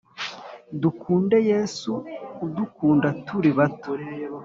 dukunde yesu udukunda turi bato !